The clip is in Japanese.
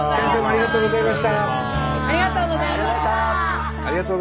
ありがとうございます。